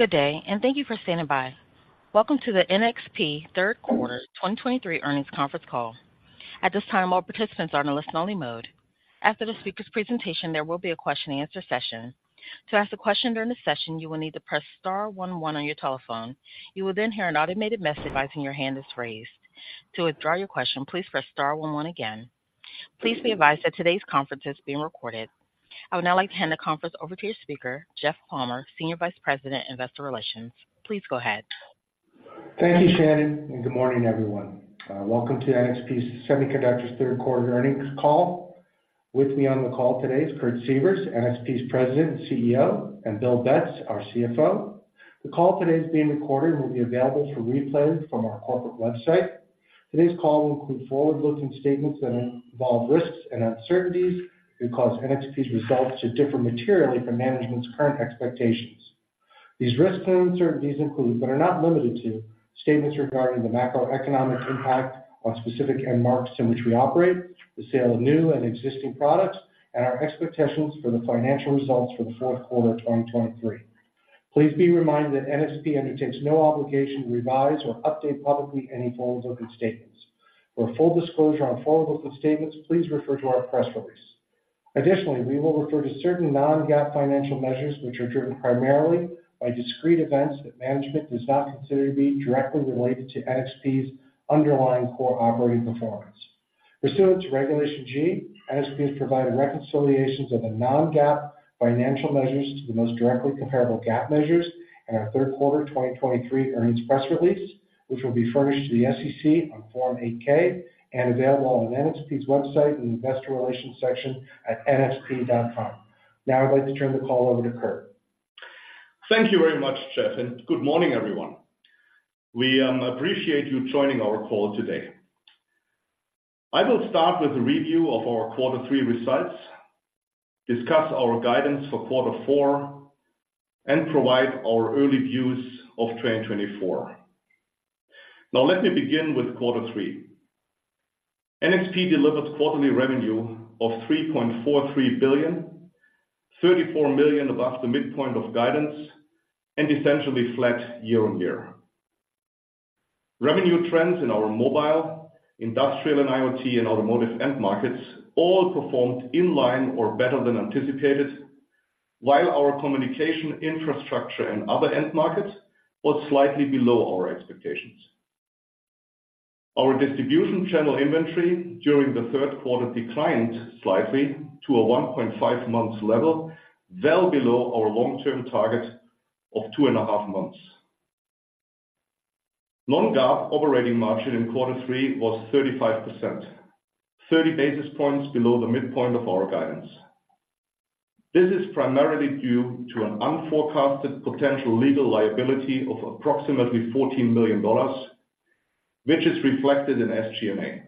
Good day, and thank you for standing by. Welcome to the NXP Third Quarter 2023 Earnings Conference Call. At this time, all participants are in a listen-only mode. After the speaker's presentation, there will be a question-and-answer session. To ask a question during the session, you will need to press star one one on your telephone. You will then hear an automated message advising your hand is raised. To withdraw your question, please press star one one again. Please be advised that today's conference is being recorded. I would now like to hand the conference over to your speaker, Jeff Palmer, Senior Vice President, Investor Relations. Please go ahead. Thank you, Shannon, and good morning, everyone. Welcome to NXP Semiconductors Third Quarter Earnings Call. With me on the call today is Kurt Sievers, NXP's President and CEO, and Bill Betz, our CFO. The call today is being recorded and will be available for replay from our corporate website. Today's call will include forward-looking statements that involve risks and uncertainties that could cause NXP's results to differ materially from management's current expectations. These risks and uncertainties include, but are not limited to, statements regarding the macroeconomic impact on specific end markets in which we operate, the sale of new and existing products, and our expectations for the financial results for the fourth quarter of 2023. Please be reminded that NXP undertakes no obligation to revise or update publicly any forward-looking statements. For full disclosure on forward-looking statements, please refer to our press release. Additionally, we will refer to certain non-GAAP financial measures, which are driven primarily by discrete events that management does not consider to be directly related to NXP's underlying core operating performance. Pursuant to Regulation G, NXP has provided reconciliations of the non-GAAP financial measures to the most directly comparable GAAP measures in our third quarter 2023 earnings press release, which will be furnished to the SEC on Form 8-K and available on NXP's website in the investor relations section at nxp.com. Now I'd like to turn the call over to Kurt. Thank you very much, Jeff, and good morning, everyone. We appreciate you joining our call today. I will start with a review of our quarter three results, discuss our guidance for quarter four, and provide our early views of 2024. Now, let me begin with quarter three. NXP delivered quarterly revenue of $3.43 billion, $34 million above the midpoint of guidance and essentially flat year-on-year. Revenue trends in our Mobile, Industrial & IoT, and Automotive end markets all performed in line or better than anticipated, while our Communications Infrastructure & Other end markets was slightly below our expectations. Our distribution channel inventory during the third quarter declined slightly to a 1.5 months level, well below our long-term target of 2.5 months. Non-GAAP operating margin in quarter three was 35%, 30 basis points below the midpoint of our guidance. This is primarily due to an unforecasted potential legal liability of approximately $14 million, which is reflected in SG&A.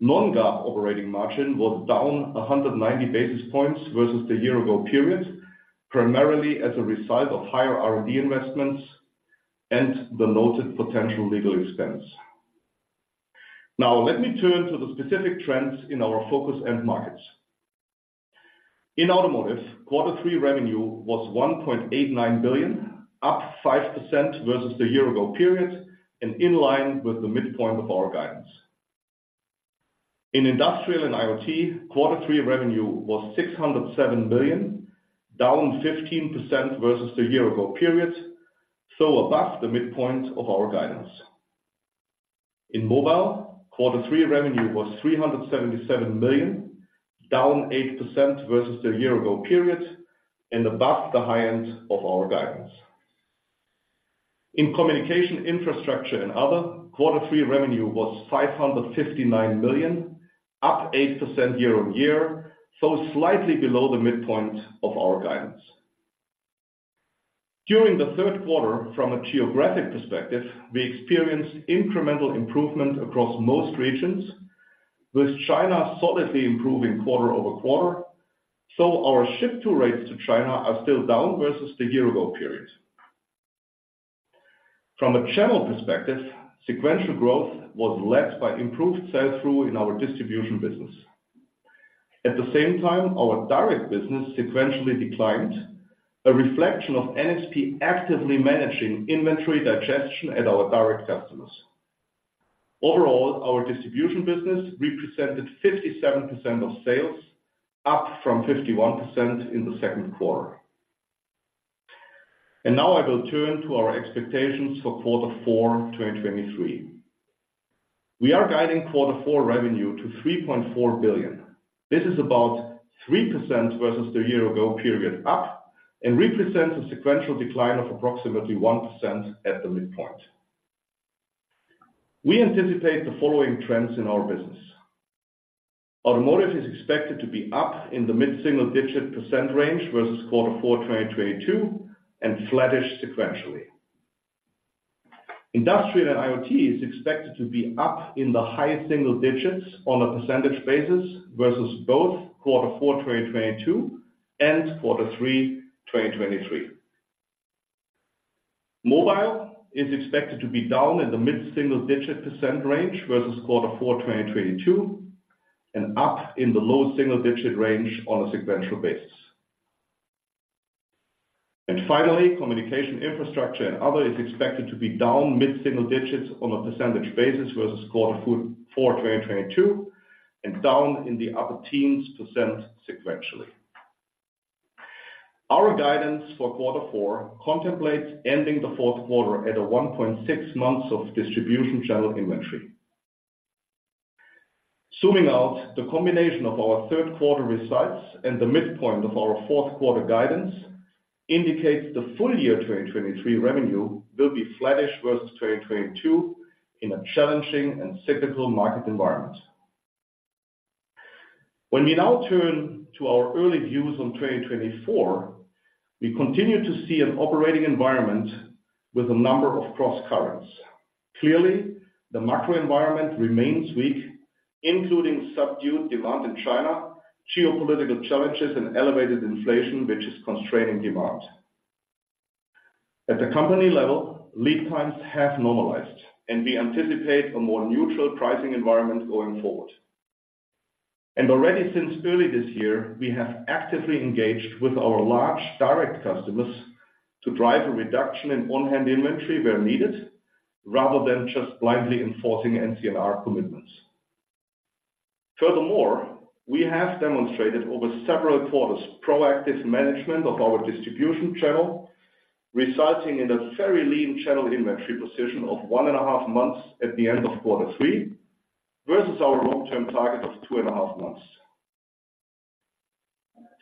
Non-GAAP operating margin was down 190 basis points versus the year ago period, primarily as a result of higher R&D investments and the noted potential legal expense. Now, let me turn to the specific trends in our focus end markets. In Automotive, quarter three revenue was $1.89 billion, up 5% versus the year ago period and in line with the midpoint of our guidance. In Industrial & IoT, quarter three revenue was $607 million, down 15% versus the year ago period, so above the midpoint of our guidance. In Mobile, quarter three revenue was $377 million, down 8% versus the year-ago period and above the high end of our guidance. In Communications Infrastructure & Other, quarter three revenue was $559 million, up 8% year-on-year, so slightly below the midpoint of our guidance. During the third quarter, from a geographic perspective, we experienced incremental improvement across most regions, with China solidly improving quarter-over-quarter, so our ship-to rates to China are still down versus the year-ago period. From a channel perspective, sequential growth was led by improved sell-through in our distribution business. At the same time, our direct business sequentially declined, a reflection of NXP actively managing inventory digestion at our direct customers. Overall, our distribution business represented 57% of sales, up from 51% in the second quarter. Now I will turn to our expectations for quarter four, 2023. We are guiding quarter four revenue to $3.4 billion. This is about 3% versus the year ago period up and represents a sequential decline of approximately 1% at the midpoint. We anticipate the following trends in our business. Automotive is expected to be up in the mid-single-digit percent range versus quarter four, 2022, and flattish sequentially. Industrial & IoT is expected to be up in the high single digits on a percentage basis versus both quarter four, 2022, and quarter three, 2023. Mobile is expected to be down in the mid-single-digit percent range versus quarter four, 2022, and up in the low single-digit range on a sequential basis. Finally, Communications Infrastructure & Other is expected to be down mid-single digits on a percentage basis versus quarter four, 2022, and down in the upper teens% sequentially. Our guidance for quarter four contemplates ending the fourth quarter at a 1.6 months of distribution channel inventory. Zooming out, the combination of our third quarter results and the midpoint of our fourth quarter guidance indicates the full year 2023 revenue will be flattish versus 2022 in a challenging and cyclical market environment. When we now turn to our early views on 2024, we continue to see an operating environment with a number of crosscurrents. Clearly, the macro environment remains weak, including subdued demand in China, geopolitical challenges, and elevated inflation, which is constraining demand. At the company level, lead times have normalized, and we anticipate a more neutral pricing environment going forward. Already since early this year, we have actively engaged with our large direct customers to drive a reduction in on-hand inventory where needed, rather than just blindly enforcing NCNR commitments. Furthermore, we have demonstrated over several quarters, proactive management of our distribution channel, resulting in a very lean channel inventory position of 1.5 months at the end of quarter three, versus our long-term target of 2.5 months.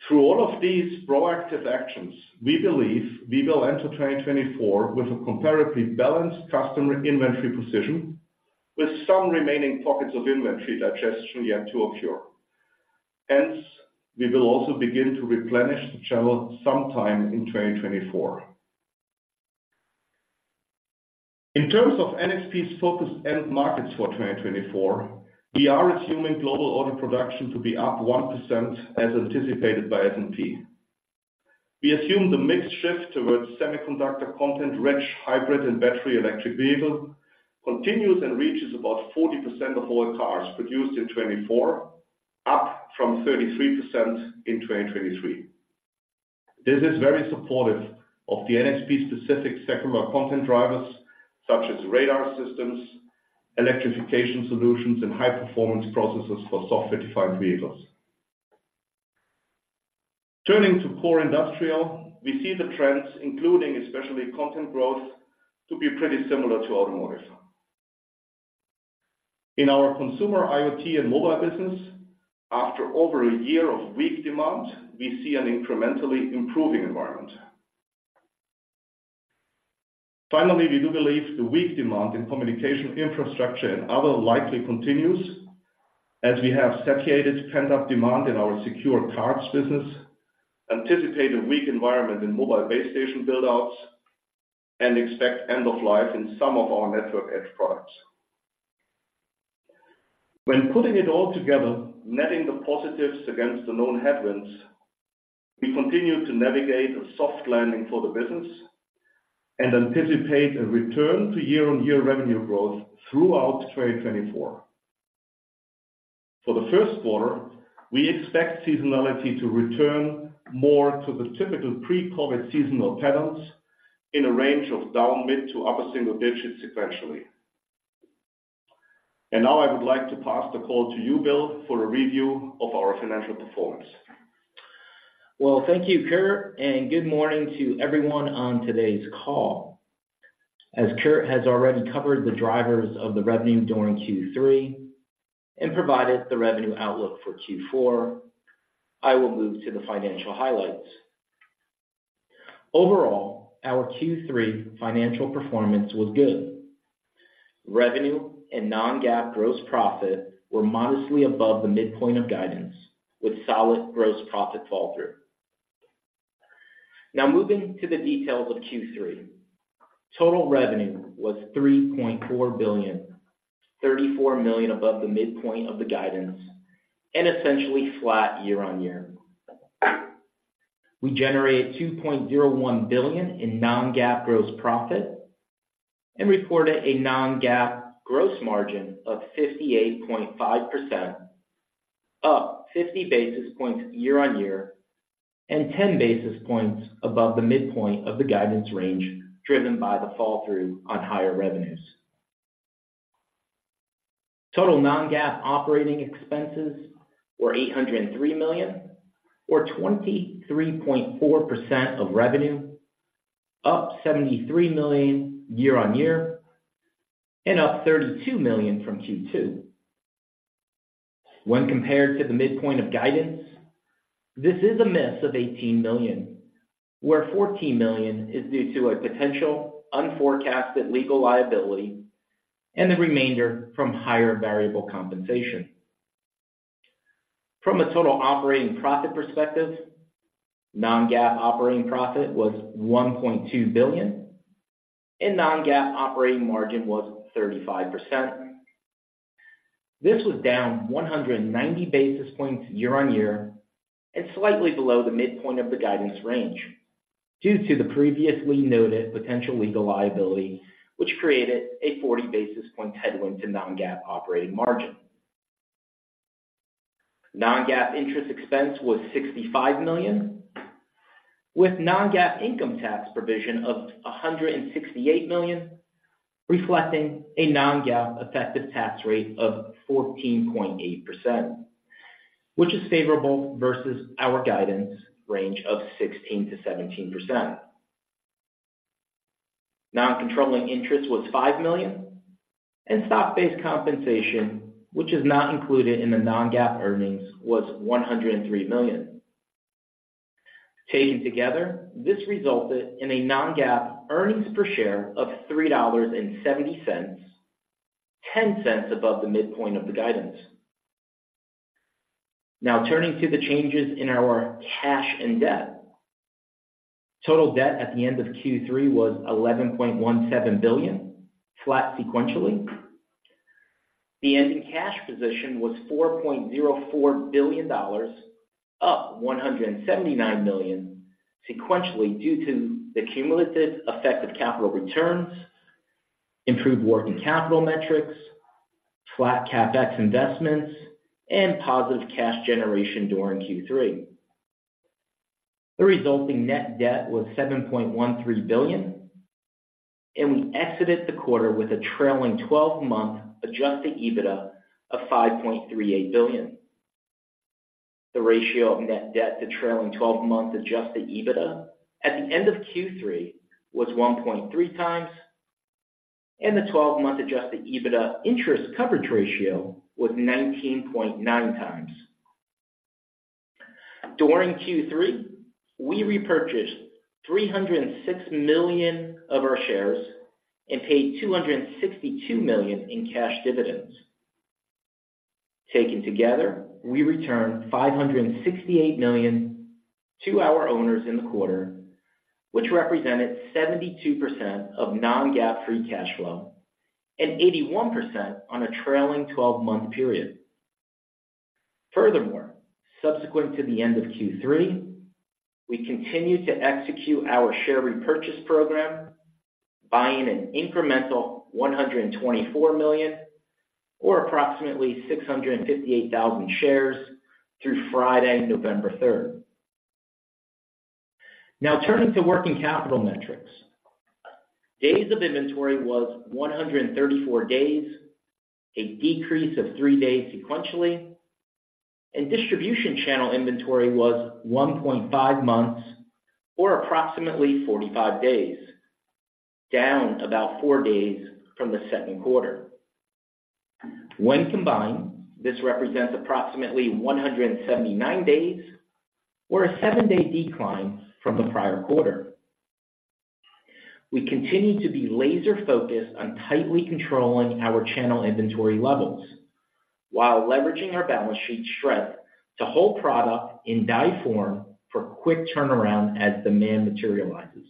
Through all of these proactive actions, we believe we will enter 2024 with a comparatively balanced customer inventory position, with some remaining pockets of inventory digestion yet to occur. Hence, we will also begin to replenish the channel sometime in 2024. In terms of NXP's focused end markets for 2024, we are assuming global auto production to be up 1%, as anticipated by S&P. We assume the mix shift towards semiconductor content-rich hybrid and battery electric vehicle continues and reaches about 40% of all cars produced in 2024, up from 33% in 2023. This is very supportive of the NXP specific secular content drivers such as radar systems, electrification solutions, and high-performance processes for software-defined vehicles. Turning to core Industrial, we see the trends, including especially content growth, to be pretty similar to automotive. In our Consumer, IoT, and Mobile business, after over a year of weak demand, we see an incrementally improving environment. Finally, we do believe the weak demand in Communications Infrastructure & Other likely continues, as we have satiated pent-up demand in our secure cards business, anticipate a weak environment in mobile base station build-outs, and expect end of life in some of our network edge products. When putting it all together, netting the positives against the known headwinds, we continue to navigate a soft landing for the business and anticipate a return to year-on-year revenue growth throughout 2024. For the first quarter, we expect seasonality to return more to the typical pre-COVID seasonal patterns in a range of down mid- to upper-single digits sequentially. Now I would like to pass the call to you, Bill, for a review of our financial performance. Well, thank you, Kurt, and good morning to everyone on today's call. As Kurt has already covered the drivers of the revenue during Q3 and provided the revenue outlook for Q4, I will move to the financial highlights. Overall, our Q3 financial performance was good. Revenue and non-GAAP gross profit were modestly above the midpoint of guidance, with solid gross profit fall through. Now, moving to the details of Q3. Total revenue was $3.4 billion, $34 million above the midpoint of the guidance and essentially flat year-on-year. We generated $2.01 billion in non-GAAP gross profit and reported a non-GAAP gross margin of 58.5%, up 50 basis points year-on-year, and 10 basis points above the midpoint of the guidance range, driven by the fall through on higher revenues. Total non-GAAP operating expenses were $803 million, or 23.4% of revenue, up $73 million year-on-year, and up $32 million from Q2. When compared to the midpoint of guidance, this is a miss of $18 million, where $14 million is due to a potential unforecasted legal liability and the remainder from higher variable compensation. From a total operating profit perspective, non-GAAP operating profit was $1.2 billion, and non-GAAP operating margin was 35%. This was down 190 basis points year-on-year, and slightly below the midpoint of the guidance range, due to the previously noted potential legal liability, which created a 40 basis point headwind to non-GAAP operating margin. Non-GAAP interest expense was $65 million, with non-GAAP income tax provision of $168 million, reflecting a non-GAAP effective tax rate of 14.8%, which is favorable versus our guidance range of 16%-17%. Non-controlling interest was $5 million, and stock-based compensation, which is not included in the non-GAAP earnings, was $103 million. Taken together, this resulted in a non-GAAP earnings per share of $3.70, $0.10 above the midpoint of the guidance. Now, turning to the changes in our cash and debt. Total debt at the end of Q3 was $11.17 billion, flat sequentially. The ending cash position was $4.04 billion, up $179 million sequentially, due to the cumulative effective capital returns, improved working capital metrics, flat CapEx investments, and positive cash generation during Q3. The resulting net debt was $7.13 billion, and we exited the quarter with a trailing twelve-month adjusted EBITDA of $5.38 billion. The ratio of net debt to trailing twelve-month adjusted EBITDA at the end of Q3 was 1.3 times, and the twelve-month adjusted EBITDA interest coverage ratio was 19.9 times. During Q3, we repurchased $306 million of our shares and paid $262 million in cash dividends. Taken together, we returned $568 million to our owners in the quarter, which represented 72% of non-GAAP free cash flow and 81% on a trailing twelve-month period. Furthermore, subsequent to the end of Q3, we continued to execute our share repurchase program, buying an incremental $124 million or approximately 658,000 shares through Friday, November 3rd. Now, turning to working capital metrics. Days of inventory was 134 days, a decrease of 3 days sequentially, and distribution channel inventory was 1.5 months, or approximately 45 days, down about 4 days from the second quarter. When combined, this represents approximately 179 days, or a 7-day decline from the prior quarter. We continue to be laser focused on tightly controlling our channel inventory levels while leveraging our balance sheet strength to hold product in die form for quick turnaround as demand materializes.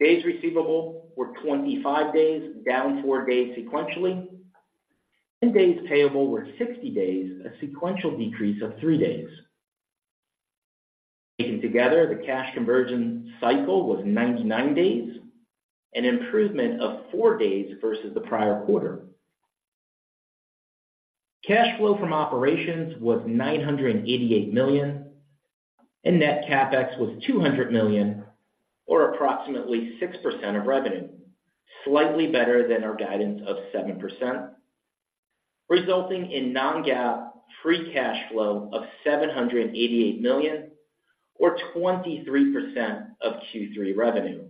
Days receivable were 25 days, down 4 days sequentially, and days payable were 60 days, a sequential decrease of 3 days. Taken together, the cash conversion cycle was 99 days, an improvement of 4 days versus the prior quarter. Cash flow from operations was $988 million, and net CapEx was $200 million, or approximately 6% of revenue, slightly better than our guidance of 7%, resulting in non-GAAP free cash flow of $788 million or 23% of Q3 revenue,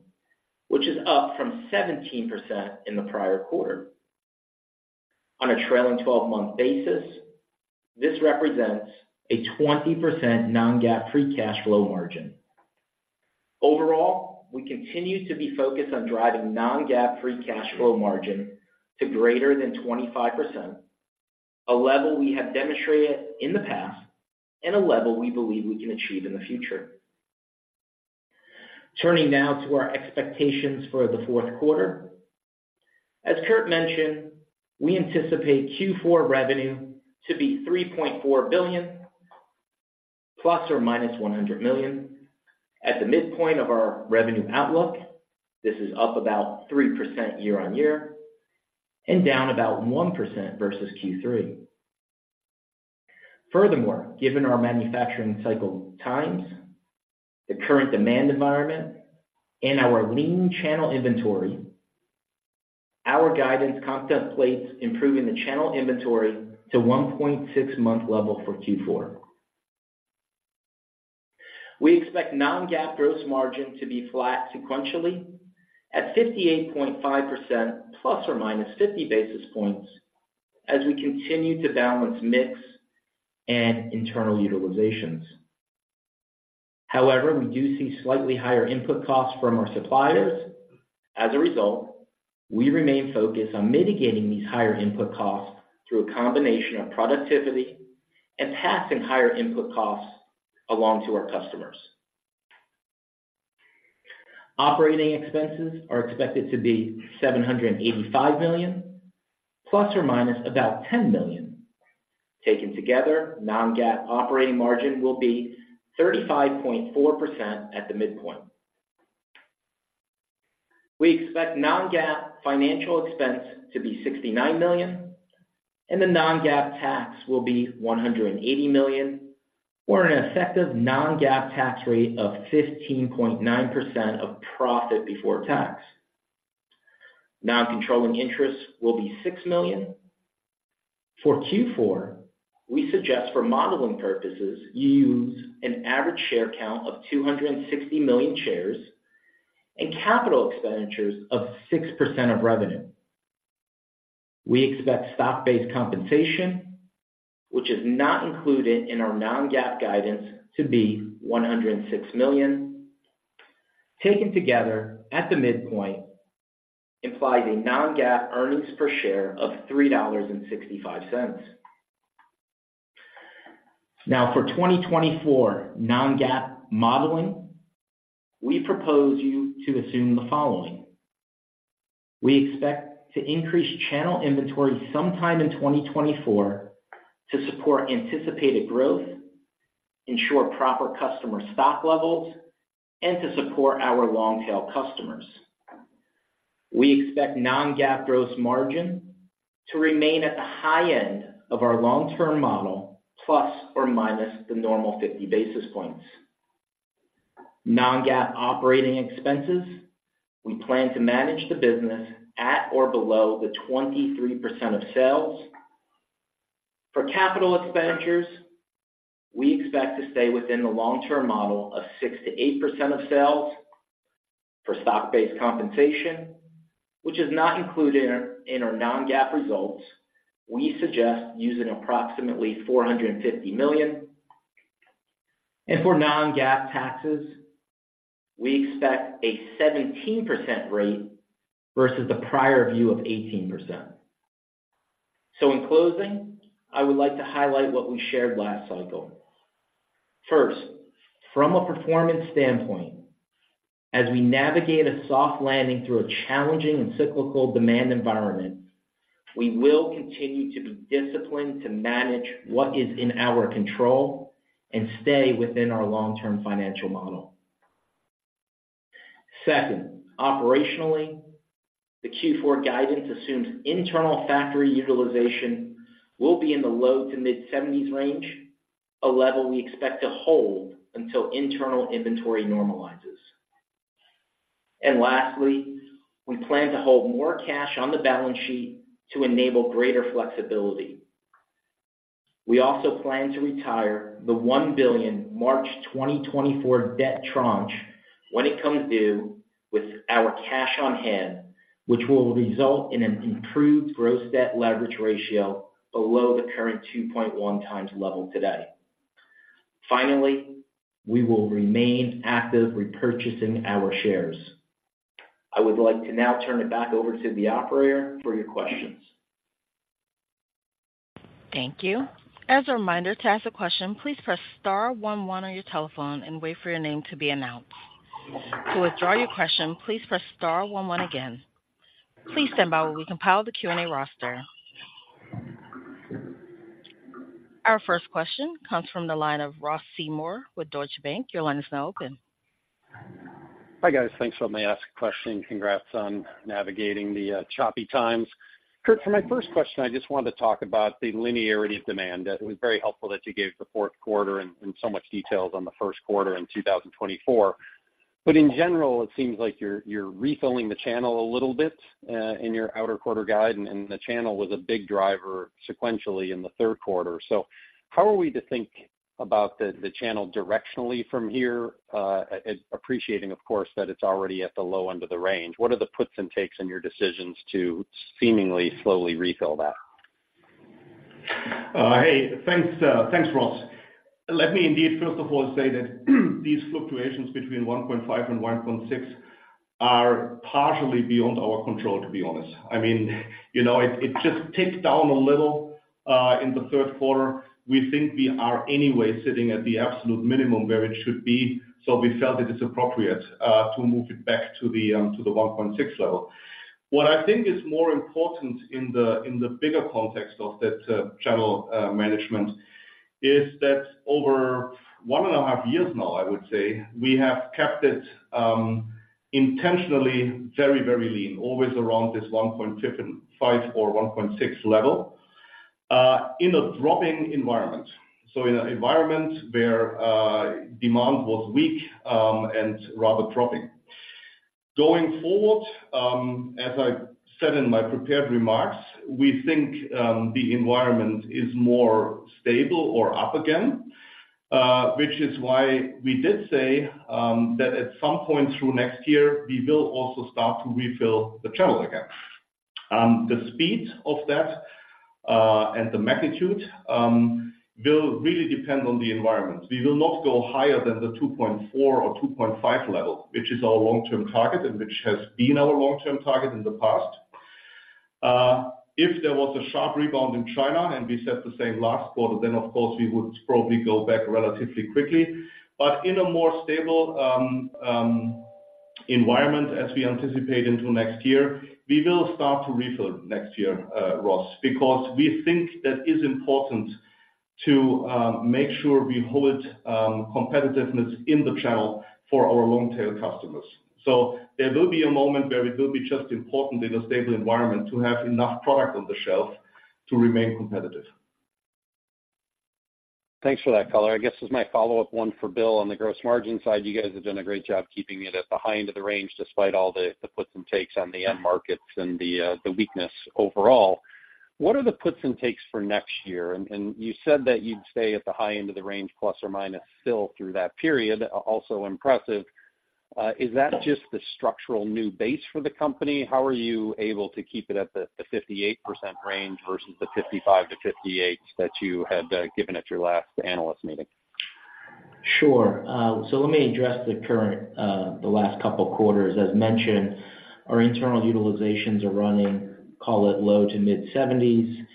which is up from 17% in the prior quarter. On a trailing twelve-month basis, this represents a 20% non-GAAP free cash flow margin. Overall, we continue to be focused on driving non-GAAP free cash flow margin to greater than 25%, a level we have demonstrated in the past and a level we believe we can achieve in the future. Turning now to our expectations for the fourth quarter. As Kurt mentioned, we anticipate Q4 revenue to be $3.4 billion ± $100 million. At the midpoint of our revenue outlook, this is up about 3% year-on-year and down about 1% versus Q3. Furthermore, given our manufacturing cycle times, the current demand environment, and our lean channel inventory, our guidance contemplates improving the channel inventory to 1.6-month level for Q4. We expect non-GAAP gross margin to be flat sequentially at 58.5%, ±50 basis points, as we continue to balance mix and internal utilizations. However, we do see slightly higher input costs from our suppliers. As a result, we remain focused on mitigating these higher input costs through a combination of productivity and passing higher input costs along to our customers. Operating expenses are expected to be $785 million, ± about $10 million. Taken together, non-GAAP operating margin will be 35.4% at the midpoint. We expect non-GAAP financial expense to be $69 million, and the non-GAAP tax will be $180 million, or an effective non-GAAP tax rate of 15.9% of profit before tax. Non-controlling interest will be $6 million. For Q4, we suggest, for modeling purposes, you use an average share count of 260 million shares and capital expenditures of 6% of revenue. We expect stock-based compensation, which is not included in our non-GAAP guidance, to be $106 million. Taken together at the midpoint, implies a non-GAAP earnings per share of $3.65. Now, for 2024 non-GAAP modeling, we propose you to assume the following: We expect to increase channel inventory sometime in 2024 to support anticipated growth, ensure proper customer stock levels, and to support our long-tail customers. We expect non-GAAP gross margin to remain at the high end of our long-term model, ±50 basis points. Non-GAAP operating expenses, we plan to manage the business at or below 23% of sales. For capital expenditures, we expect to stay within the long-term model of 6%-8% of sales. For stock-based compensation, which is not included in our non-GAAP results, we suggest using approximately $450 million. For non-GAAP taxes, we expect a 17% rate versus the prior view of 18%. In closing, I would like to highlight what we shared last cycle. First, from a performance standpoint, as we navigate a soft landing through a challenging and cyclical demand environment, we will continue to be disciplined to manage what is in our control and stay within our long-term financial model. Second, operationally, the Q4 guidance assumes internal factory utilization will be in the low- to mid-70s range, a level we expect to hold until internal inventory normalizes. Lastly, we plan to hold more cash on the balance sheet to enable greater flexibility. We also plan to retire the $1 billion March 2024 debt tranche when it comes due with our cash on hand, which will result in an improved gross debt leverage ratio below the current 2.1x level today. Finally, we will remain active repurchasing our shares. I would like to now turn it back over to the operator for your questions. Thank you. As a reminder, to ask a question, please press star one one on your telephone and wait for your name to be announced. To withdraw your question, please press star one one again. Please stand by while we compile the Q&A roster. Our first question comes from the line of Ross Seymore with Deutsche Bank. Your line is now open. Hi, guys. Thanks for letting me ask a question. Congrats on navigating the choppy times. Kurt, for my first question, I just wanted to talk about the linearity of demand. It was very helpful that you gave the fourth quarter and, and so much details on the first quarter in 2024. But in general, it seems like you're, you're refilling the channel a little bit in your fourth quarter guide, and, and the channel was a big driver sequentially in the third quarter. So how are we to think about the channel directionally from here, appreciating, of course, that it's already at the low end of the range? What are the puts and takes in your decisions to seemingly slowly refill that? Hey, thanks, Ross. Let me indeed, first of all, say that these fluctuations between 1.5 and 1.6 are partially beyond our control, to be honest. I mean, you know, it just ticked down a little in the third quarter. We think we are anyway sitting at the absolute minimum where it should be, so we felt that it's appropriate to move it back to the 1.6 level. What I think is more important in the bigger context of that channel management is that over 1.5 years now, I would say, we have kept it intentionally very, very lean, always around this 1.5 and 1.55 or 1.6 level in a dropping environment. So in an environment where demand was weak and rather dropping. Going forward, as I said in my prepared remarks, we think the environment is more stable or up again, which is why we did say that at some point through next year, we will also start to refill the channel again. The speed of that and the magnitude will really depend on the environment. We will not go higher than the 2.4 or 2.5 level, which is our long-term target and which has been our long-term target in the past. If there was a sharp rebound in China and we said the same last quarter, then of course, we would probably go back relatively quickly. But in a more stable environment, as we anticipate into next year, we will start to refill next year, Ross, because we think that is important to make sure we hold competitiveness in the channel for our long-tail customers. So there will be a moment where it will be just important in a stable environment to have enough product on the shelf to remain competitive. Thanks for that color. I guess this is my follow-up one for Bill. On the gross margin side, you guys have done a great job keeping it at the high end of the range, despite all the, the puts and takes on the end markets and the, the weakness overall. What are the puts and takes for next year? And, and you said that you'd stay at the high end of the range, plus or minus, still through that period, also impressive. Is that just the structural new base for the company? How are you able to keep it at the, the 58% range versus the 55%-58% that you had given at your last analyst meeting? Sure. So let me address the current, the last couple of quarters. As mentioned, our internal utilizations are running, call it low-to-mid 70s,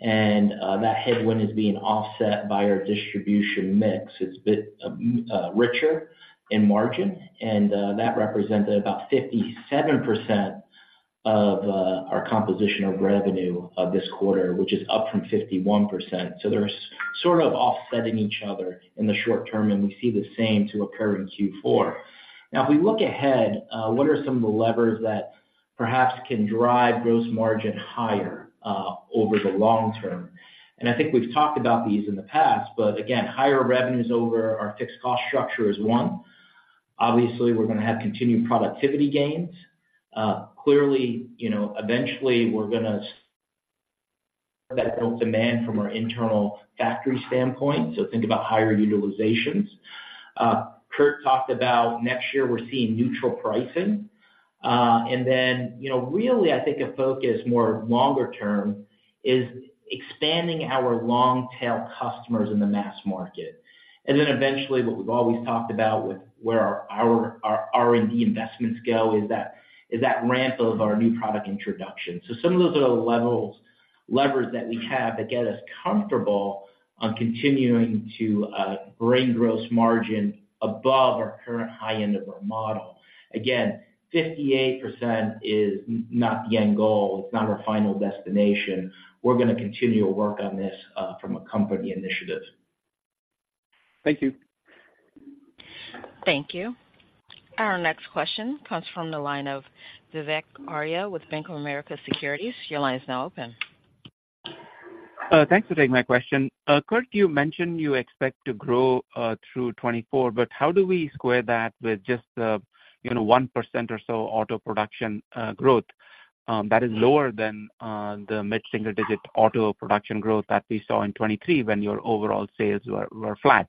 and that headwind is being offset by our distribution mix. It's a bit richer in margin, and that represented about 57% of our composition of revenue of this quarter, which is up from 51%. So they're sort of offsetting each other in the short term, and we see the same to occur in Q4. Now, if we look ahead, what are some of the levers that perhaps can drive gross margin higher over the long term? And I think we've talked about these in the past, but again, higher revenues over our fixed cost structure is one. Obviously, we're gonna have continued productivity gains. Clearly, you know, eventually, we're gonna demand from our internal factory standpoint, so think about higher utilizations. Kurt talked about next year we're seeing neutral pricing. And then, you know, really, I think a focus, more longer term, is expanding our long-tail customers in the mass market. And then eventually, what we've always talked about with where our, our, our R&D investments go, is that, is that ramp of our new product introduction. So some of those are the levels, levers that we have that get us comfortable on continuing to bring gross margin above our current high end of our model. Again, 58% is not the end goal. It's not our final destination. We're gonna continue to work on this from a company initiative. Thank you. Thank you. Our next question comes from the line of Vivek Arya with Bank of America Securities. Your line is now open. Thanks for taking my question. Kurt, you mentioned you expect to grow through 2024, but how do we square that with just, you know, 1% or so auto production growth that is lower than the mid-single-digit auto production growth that we saw in 2023 when your overall sales were flat?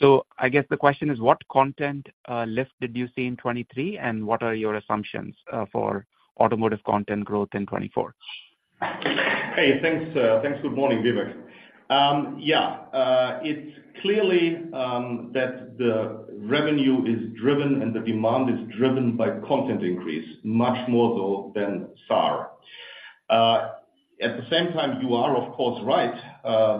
So I guess the question is, what content lift did you see in 2023, and what are your assumptions for Automotive content growth in 2024? Hey, thanks, thanks. Good morning, Vivek. Yeah, it's clearly that the revenue is driven and the demand is driven by content increase, much more so than SAAR. At the same time, you are, of course, right.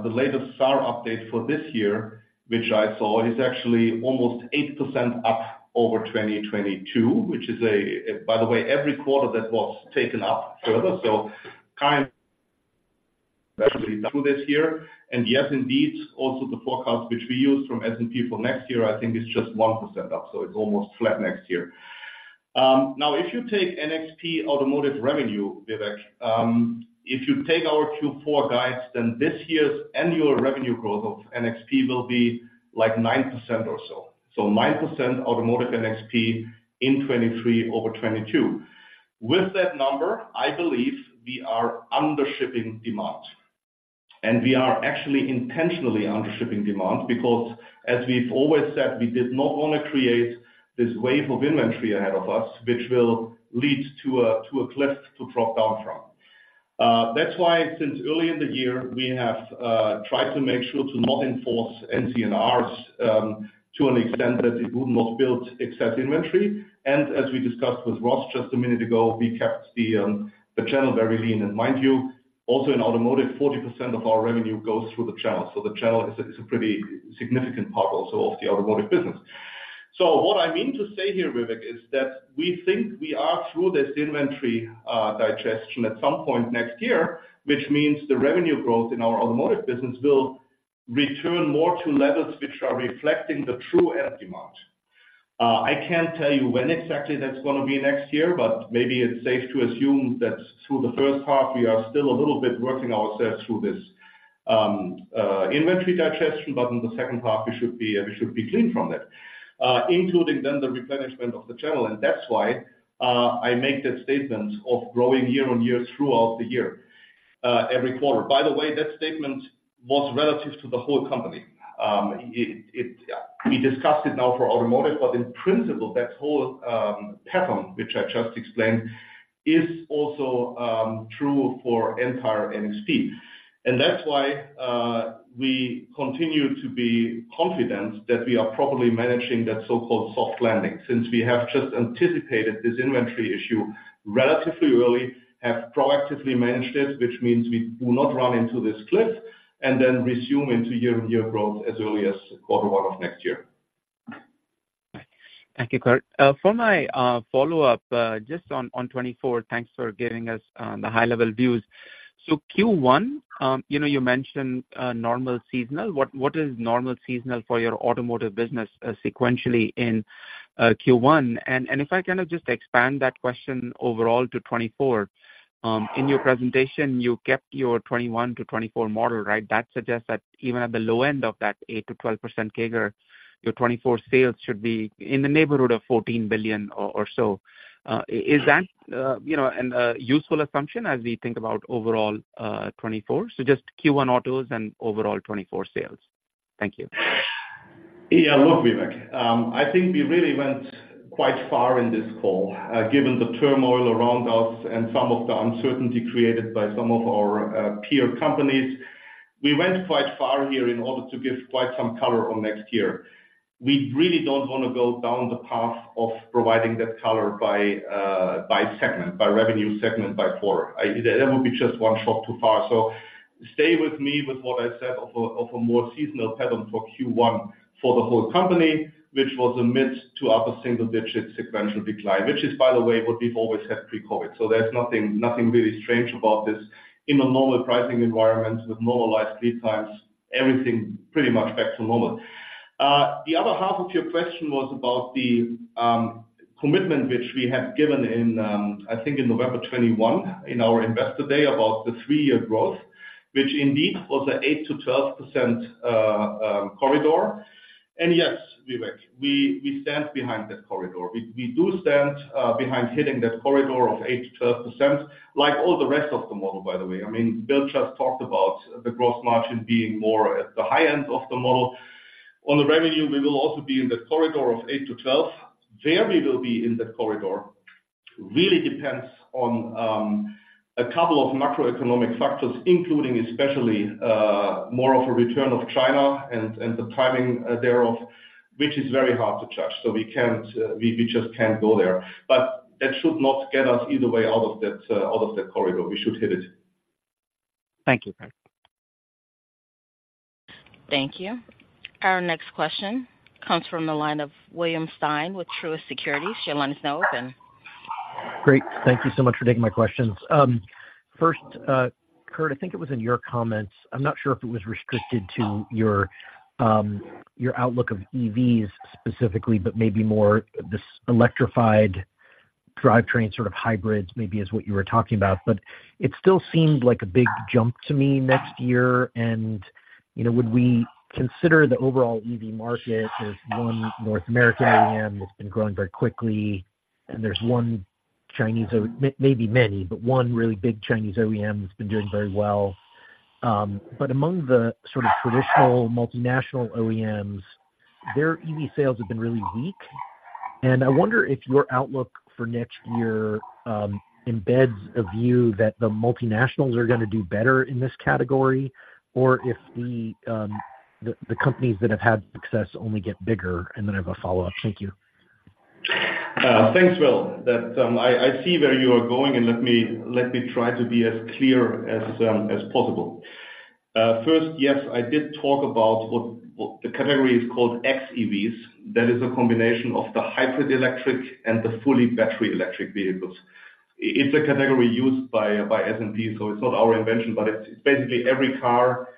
The latest SAAR update for this year, which I saw, is actually almost 8% up over 2022, which is a. By the way, every quarter that was taken up further, so kind of through this year. And yes, indeed, also the forecast, which we use from S&P for next year, I think is just 1% up, so it's almost flat next year. Now, if you take NXP Automotive revenue, Vivek, if you take our Q4 guides, then this year's annual revenue growth of NXP will be like 9% or so. So 9% Automotive NXP in 2023 over 2022. With that number, I believe we are undershipping demand, and we are actually intentionally undershipping demand, because as we've always said, we did not want to create this wave of inventory ahead of us, which will lead to a cliff to drop down from. That's why, since early in the year, we have tried to make sure to not enforce NCNRs to an extent that it would not build excess inventory. And as we discussed with Ross just a minute ago, we kept the channel very lean. And mind you, also in Automotive, 40% of our revenue goes through the channel. So the channel is a pretty significant part also of the Automotive business. So what I mean to say here, Vivek, is that we think we are through this inventory digestion at some point next year, which means the revenue growth in our Automotive business will return more to levels which are reflecting the true end demand. I can't tell you when exactly that's gonna be next year, but maybe it's safe to assume that through the first half, we are still a little bit working ourselves through this inventory digestion, but in the second half, we should be, we should be clean from that, including then the replenishment of the channel. And that's why, I make that statement of growing year-on-year throughout the year, every quarter. By the way, that statement was relative to the whole company. Yeah, we discussed it now for Automotive, but in principle, that whole pattern, which I just explained, is also true for entire NXP. And that's why we continue to be confident that we are properly managing that so-called soft landing, since we have just anticipated this inventory issue relatively early, have proactively managed it, which means we do not run into this cliff and then resume into year-on-year growth as early as quarter one of next year. Thank you, Kurt. For my follow-up, just on 2024, thanks for giving us the high-level views. So Q1, you know, you mentioned normal seasonal. What is normal seasonal for your Automotive business sequentially in Q1? And if I can just expand that question overall to 2024. In your presentation, you kept your 2021 to 2024 model, right? That suggests that even at the low end of that 8%-12% CAGR, your 2024 sales should be in the neighborhood of $14 billion or so. Is that, you know, a useful assumption as we think about overall 2024? So just Q1 autos and overall 2024 sales. Thank you. Yeah, look, Vivek, I think we really went quite far in this call, given the turmoil around us and some of the uncertainty created by some of our peer companies. We went quite far here in order to give quite some color on next year. We really don't want to go down the path of providing that color by segment, by revenue segment, by quarter. That would be just one shot too far. So stay with me with what I said of a more seasonal pattern for Q1 for the whole company, which was a mid- to upper-single-digit sequential decline, which is, by the way, what we've always had pre-COVID. So there's nothing really strange about this. In a normal pricing environment with normalized lead times, everything pretty much back to normal. The other half of your question was about the commitment, which we had given in, I think, in November 2021, in our Investor Day, about the three-year growth, which indeed was a 8%-12% corridor. And yes, Vivek, we stand behind that corridor. We do stand behind hitting that corridor of 8%-12%, like all the rest of the model, by the way. I mean, Bill just talked about the gross margin being more at the high end of the model. On the revenue, we will also be in the corridor of 8-12. Where we will be in that corridor really depends on a couple of macroeconomic factors, including especially more of a return of China and the timing thereof, which is very hard to judge. So we can't, we just can't go there. But that should not get us either way out of that corridor. We should hit it. Thank you, Kurt. Thank you. Our next question comes from the line of William Stein with Truist Securities. Your line is now open. Great. Thank you so much for taking my questions. First, Kurt, I think it was in your comments. I'm not sure if it was restricted to your, your outlook of EVs specifically, but maybe more this electrified drivetrain sort of hybrids, maybe is what you were talking about. But it still seemed like a big jump to me next year, and, you know, would we consider the overall EV market as one North American OEM that's been growing very quickly, and there's one Chinese, maybe many, but one really big Chinese OEM that's been doing very well. But among the sort of traditional multinational OEMs, their EV sales have been really weak. I wonder if your outlook for next year embeds a view that the multinationals are gonna do better in this category, or if the companies that have had success only get bigger? Then I have a follow-up. Thank you. Thanks, Will. That, I see where you are going, and let me try to be as clear as possible. First, yes, I did talk about what the category is called xEVs. That is a combination of the hybrid electric and the fully battery electric vehicles. It's a category used by S&P, so it's not our invention, but it's basically every car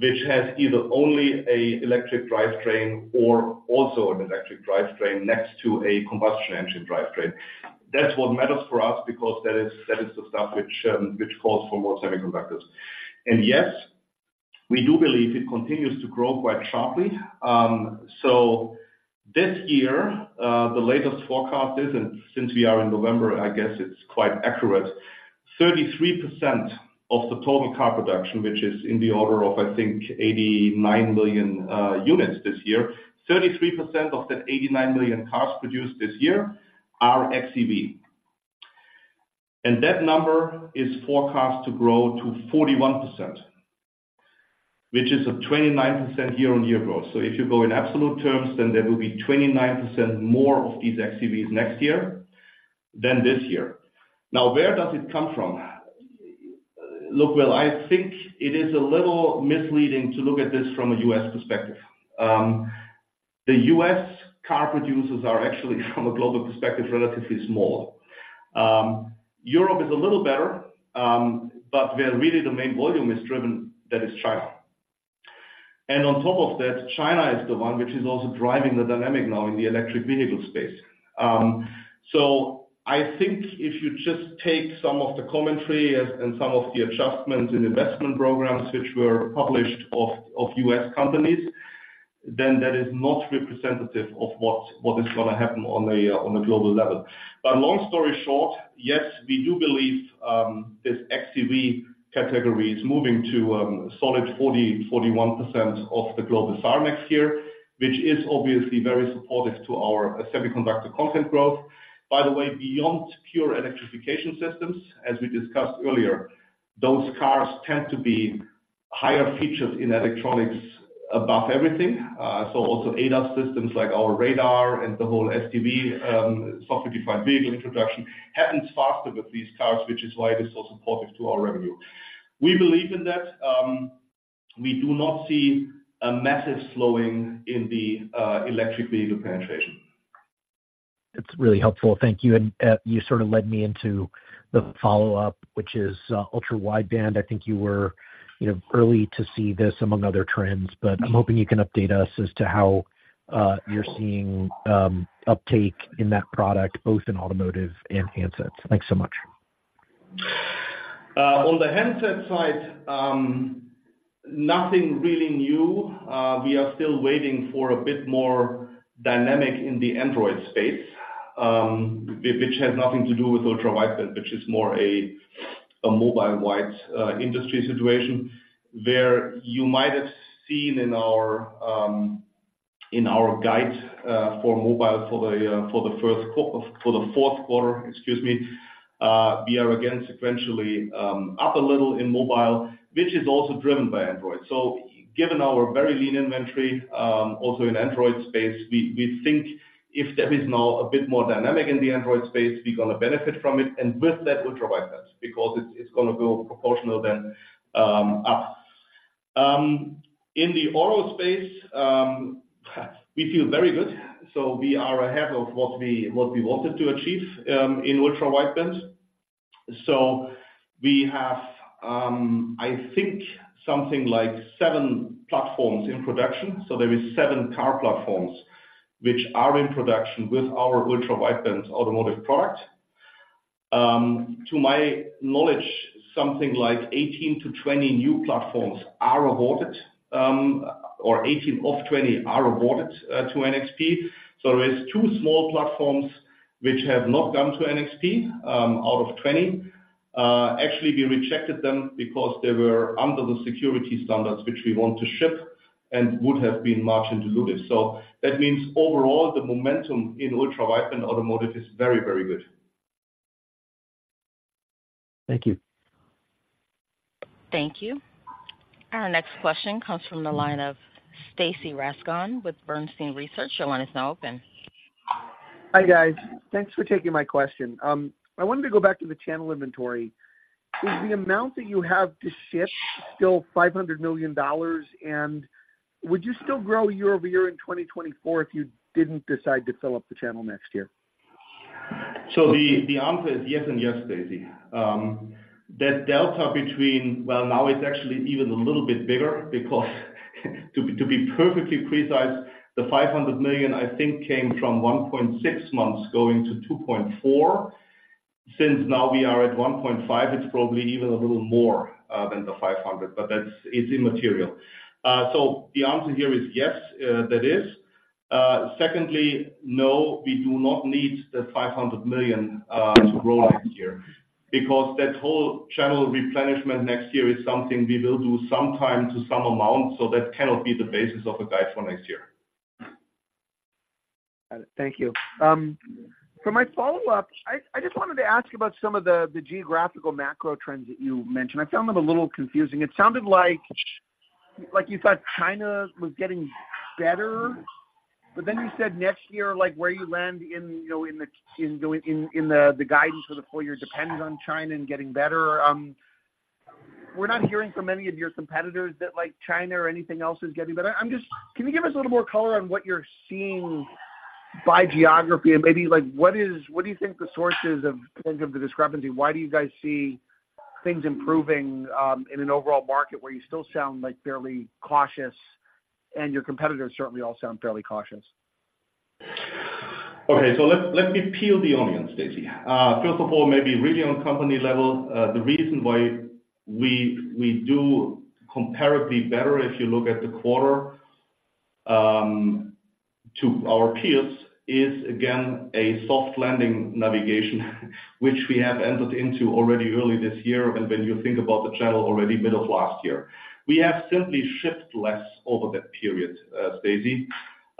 which has either only a electric drivetrain or also an electric drivetrain next to a combustion engine drivetrain. That's what matters for us because that is the stuff which calls for more semiconductors. And yes, we do believe it continues to grow quite sharply. So this year, the latest forecast is, and since we are in November, I guess it's quite accurate, 33% of the total car production, which is in the order of, I think, 89 million units this year. 33% of that 89 million cars produced this year are xEV. And that number is forecast to grow to 41%, which is a 29% year-on-year growth. So if you go in absolute terms, then there will be 29% more of these xEVs next year than this year. Now, where does it come from? Look, well, I think it is a little misleading to look at this from a U.S. perspective. The U.S. car producers are actually, from a global perspective, relatively small. Europe is a little better, but where really the main volume is driven, that is China. And on top of that, China is the one which is also driving the dynamic now in the electric vehicle space. So I think if you just take some of the commentary as, and some of the adjustments in investment programs, which were published of U.S. companies, then that is not representative of what is gonna happen on a global level. But long story short, yes, we do believe this xEV category is moving to a solid 40-41% of the global norm next year, which is obviously very supportive to our semiconductor content growth. By the way, beyond pure electrification systems, as we discussed earlier, those cars tend to be higher featured in electronics above everything. So also ADAS systems like our radar and the whole SDV, software-defined vehicle introduction, happens faster with these cars, which is why it is so supportive to our revenue. We believe in that. We do not see a massive slowing in the electric vehicle penetration. It's really helpful. Thank you. And, you sort of led me into the follow-up, which is, ultra-wideband. I think you were, you know, early to see this, among other trends, but I'm hoping you can update us as to how, you're seeing, uptake in that product, both in automotive and handsets. Thanks so much. On the handset side, nothing really new. We are still waiting for a bit more dynamic in the Android space, which has nothing to do with ultra-wideband, which is more a mobile-wide industry situation. Where you might have seen in our in our guide for Mobile for the for the fourth quarter, excuse me, we are again sequentially up a little in Mobile, which is also driven by Android. So given our very lean inventory also in Android space, we think if there is now a bit more dynamic in the Android space, we're going to benefit from it, and with that, ultra-wideband, because it's going to go proportional then up. In the auto space, we feel very good, so we are ahead of what we wanted to achieve in ultra-wideband. So we have, I think something like 7 platforms in production. So there is 7 car platforms which are in production with our ultra-wideband automotive product. To my knowledge, something like 18-20 new platforms are awarded, or 18 of 20 are awarded to NXP. So there is 2 small platforms which have not gone to NXP, out of 20. Actually, we rejected them because they were under the security standards, which we want to ship and would have been much diluted. So that means overall, the momentum in ultra-wideband automotive is very, very good. Thank you. Thank you. Our next question comes from the line of Stacy Rasgon with Bernstein Research. Your line is now open. Hi, guys. Thanks for taking my question. I wanted to go back to the channel inventory. Is the amount that you have to ship still $500 million? And would you still grow year over year in 2024 if you didn't decide to fill up the channel next year? So the answer is yes and yes, Stacy. That delta between—well, now it's actually even a little bit bigger because to be perfectly precise, the $500 million, I think, came from 1.6 months going to 2.4. Since now we are at 1.5, it's probably even a little more than the $500 million, but that's—it's immaterial. So the answer here is yes, that is. Secondly, no, we do not need the $500 million to grow next year, because that whole channel replenishment next year is something we will do sometime to some amount, so that cannot be the basis of a guide for next year. Got it. Thank you. For my follow-up, I just wanted to ask you about some of the geographical macro trends that you mentioned. I found them a little confusing. It sounded like you thought China was getting better, but then you said next year, like, where you land in, you know, in the guidance for the full year, depended on China and getting better. We're not hearing from any of your competitors that, like, China or anything else is getting better. I'm just. Can you give us a little more color on what you're seeing by geography? And maybe, like, what do you think the sources of, kind of the discrepancy? Why do you guys see things improving, in an overall market where you still sound, like, fairly cautious, and your competitors certainly all sound fairly cautious? Okay, so let's let me peel the onion, Stacy. First of all, maybe really on a company level, the reason why we do comparatively better if you look at the quarter to our peers is again a soft landing navigation, which we have entered into already early this year, and when you think about the channel, already middle of last year. We have simply shipped less over that period, Stacy.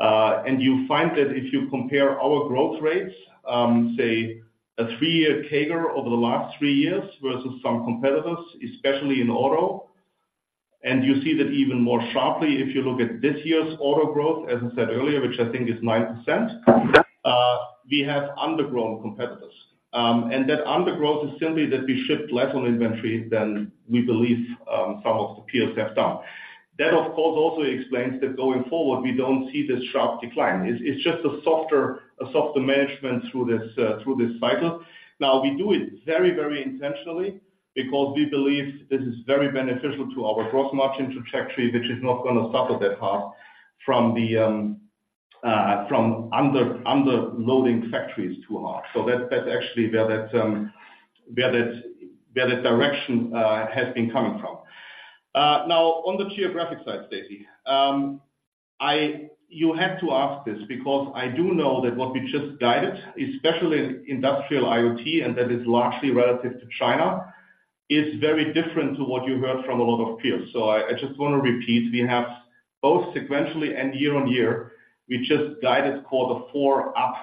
And you find that if you compare our growth rates, say a three-year CAGR over the last three years versus some competitors, especially in auto, and you see that even more sharply if you look at this year's auto growth, as I said earlier, which I think is 9%, we have undergrown competitors. And that undergrowth is simply that we shipped less on inventory than we believe some of the peers have done. That, of course, also explains that going forward, we don't see this sharp decline. It's just a softer management through this cycle. Now, we do it very, very intentionally because we believe this is very beneficial to our growth margin trajectory, which is not going to suffer that hard from underloading factories too hard. So that's actually where that direction has been coming from. Now, on the geographic side, Stacy, you had to ask this because I do know that what we just guided, especially in Industrial IoT, and that is largely relative to China, is very different to what you heard from a lot of peers. So I just want to repeat, we have both sequentially and year-on-year, we just guided quarter four up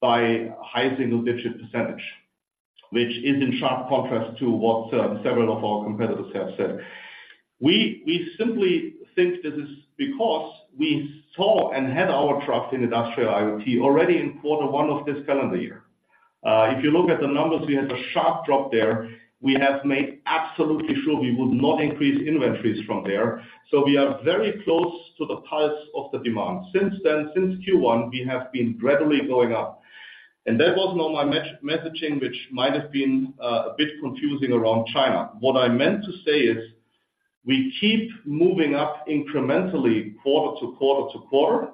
by high single-digit percentage. Which is in sharp contrast to what several of our competitors have said. We simply think this is because we saw and had our trough in Industrial IoT already in quarter one of this calendar year. If you look at the numbers, we had a sharp drop there. We have made absolutely sure we would not increase inventories from there. So we are very close to the pulse of the demand. Since then, since Q1, we have been gradually going up, and there was no mixed messaging, which might have been a bit confusing around China. What I meant to say is, we keep moving up incrementally quarter to quarter to quarter,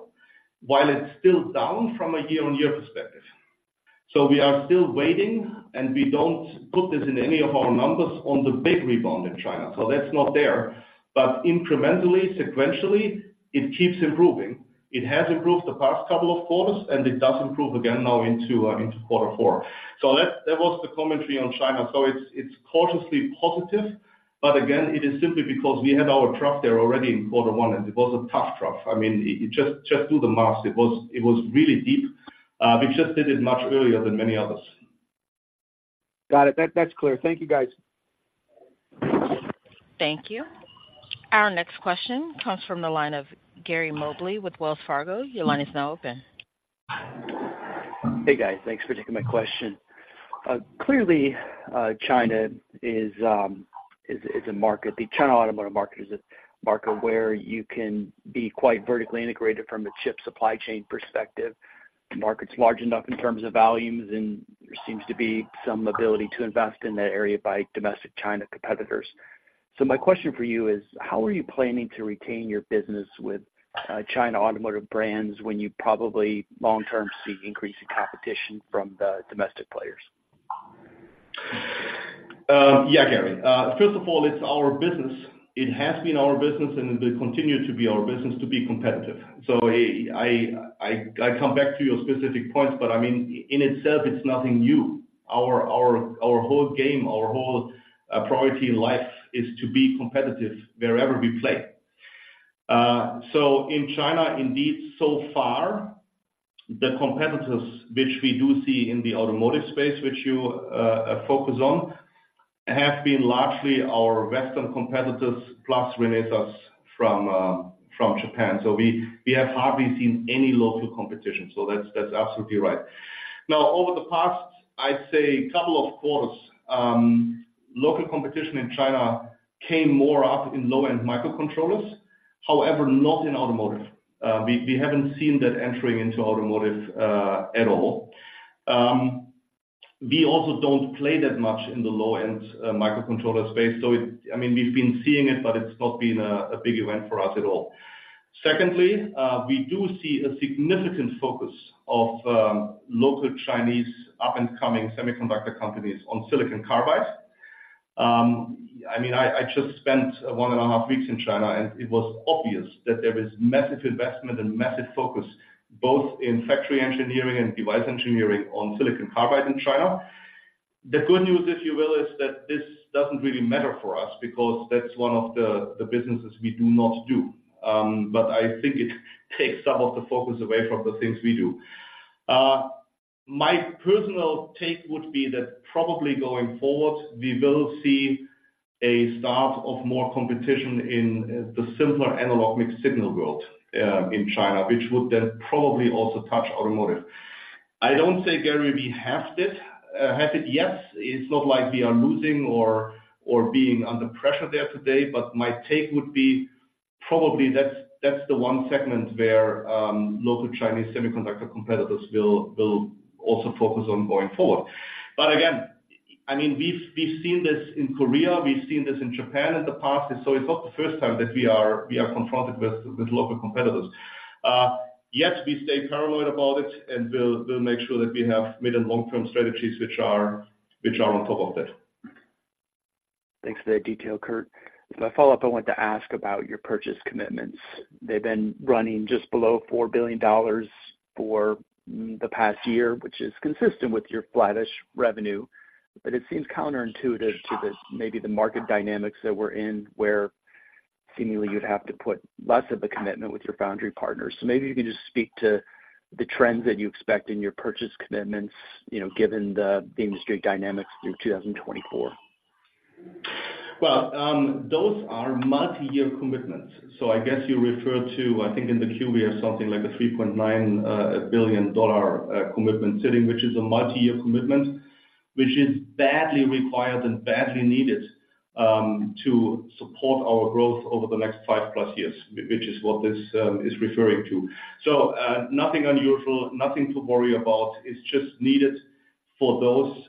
while it's still down from a year-on-year perspective. So we are still waiting, and we don't put this in any of our numbers on the big rebound in China. So that's not there. But incrementally, sequentially, it keeps improving. It has improved the past couple of quarters, and it does improve again now into, into quarter four. So that, that was the commentary on China. So it's, it's cautiously positive, but again, it is simply because we had our trough there already in quarter one, and it was a tough trough. I mean, it, just, just do the math. It was, it was really deep. We just did it much earlier than many others. Got it. That, that's clear. Thank you, guys. Thank you. Our next question comes from the line of Gary Mobley with Wells Fargo. Your line is now open. Hey, guys. Thanks for taking my question. Clearly, China is a market, the China automotive market is a market where you can be quite vertically integrated from a chip supply chain perspective. The market's large enough in terms of volumes, and there seems to be some ability to invest in that area by domestic China competitors. So my question for you is: how are you planning to retain your business with China automotive brands, when you probably long-term see increasing competition from the domestic players? Yeah, Gary. First of all, it's our business. It has been our business, and it will continue to be our business to be competitive. So I come back to your specific points, but I mean, in itself, it's nothing new. Our whole game, our whole priority in life is to be competitive wherever we play. So in China, indeed, so far, the competitors which we do see in the Automotive space, which you focus on, have been largely our Western competitors, plus Renesas from Japan. So we have hardly seen any local competition. So that's absolutely right. Now, over the past, I'd say, couple of quarters, local competition in China came more up in low-end microcontrollers. However, not in Automotive. We haven't seen that entering into Automotive at all. We also don't play that much in the low-end microcontroller space. So I mean, we've been seeing it, but it's not been a big event for us at all. Secondly, we do see a significant focus of local Chinese up-and-coming semiconductor companies on silicon carbide. I mean, I just spent one and a half weeks in China, and it was obvious that there is massive investment and massive focus, both in factory engineering and device engineering on silicon carbide in China. The good news, if you will, is that this doesn't really matter for us because that's one of the businesses we do not do. But I think it takes some of the focus away from the things we do. My personal take would be that probably going forward, we will see a start of more competition in, the simpler analog mixed signal world, in China, which would then probably also touch Automotive. I don't say, Gary, we have it, have it yet. It's not like we are losing or, or being under pressure there today, but my take would be probably that's, that's the one segment where, local Chinese semiconductor competitors will, will also focus on going forward. But again, I mean, we've, we've seen this in Korea, we've seen this in Japan in the past, and so it's not the first time that we are, we are confronted with, with local competitors. Yet we stay paranoid about it, and we'll, we'll make sure that we have mid and long-term strategies which are, which are on top of that. Thanks for the detail, Kurt. As a follow-up, I want to ask about your purchase commitments. They've been running just below $4 billion for the past year, which is consistent with your flattish revenue, but it seems counterintuitive to the, maybe the market dynamics that we're in, where seemingly you'd have to put less of a commitment with your foundry partners. So maybe you can just speak to the trends that you expect in your purchase commitments, you know, given the, the industry dynamics through 2024. Well, those are multi-year commitments. So I guess you refer to, I think, in the Q, we have something like a $3.9 billion commitment sitting, which is a multi-year commitment, which is badly required and badly needed, to support our growth over the next 5+ years, which is what this, is referring to. So, nothing unusual, nothing to worry about. It's just needed for those,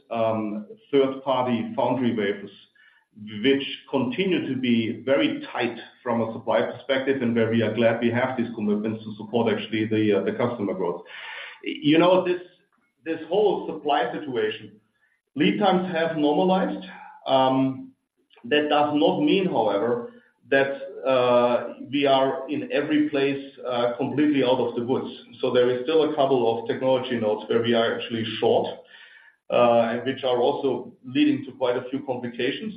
third-party foundry wafers, which continue to be very tight from a supply perspective, and where we are glad we have these commitments to support actually the, the customer growth. You know, this, this whole supply situation, lead times have normalized. That does not mean, however, that, we are in every place, completely out of the woods. So there is still a couple of technology nodes where we are actually short, and which are also leading to quite a few complications.